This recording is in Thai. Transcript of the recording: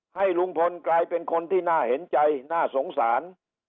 ให้ลุงพลกลายเป็นคนที่น่าเห็นใจน่าสงสาร